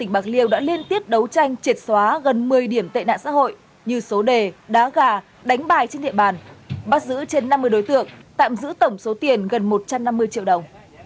bắt giữ trên năm mươi đối tượng tạm giữ tổng số tiền gần một trăm năm mươi triệu đồng